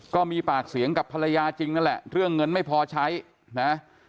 ก็มีปากเสียงกับภรรยาจริงนั่นแหละเรื่องเงินไม่พอใช้นะ